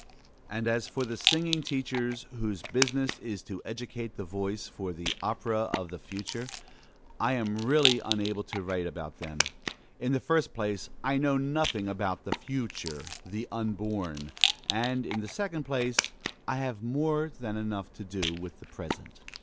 And as for the singing teachers, whose business it is to educate the voice for "the opera of the future," I am really unable to write about them. In the first place, I know nothing about "the future," the unborn; and, in the second place, I have more than enough to do with the present.